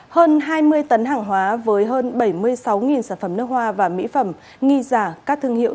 hơn hai mươi tấn hàng hóa với hơn bảy mươi sáu sản phẩm nước hoa và mỹ phẩm nghi giả các thương hiệu